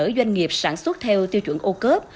cơ sở doanh nghiệp sản xuất theo tiêu chuẩn ô cớp